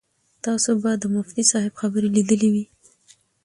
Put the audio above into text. تاسو به د مفتي صاحب خبرې لیدلې وي.